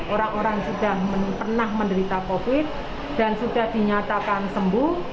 orang orang sudah pernah menderita covid dan sudah dinyatakan sembuh